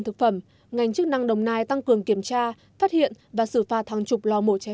thực phẩm ngành chức năng đồng nai tăng cường kiểm tra phát hiện và xử phạt hàng chục lò mổ cháy